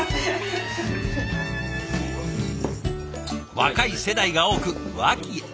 若い世代が多く和気あいあいの工房。